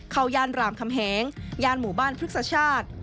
เข้ายานรามคำแหงยานหมู่บ้านพฤษชาติ